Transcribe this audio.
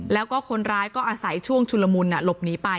แล้วก็คนร้ายก็อาศัยช่วงชุลมุนหลบหนีไป